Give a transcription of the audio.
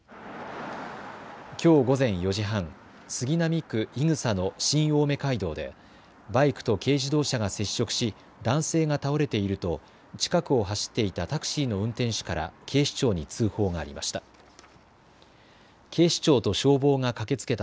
きょう午前４時半、杉並区井草の新青梅街道でバイクと軽自動車が接触し男性が倒れていると近くを走っていたタクシーの運転手から警視庁に通報がありました。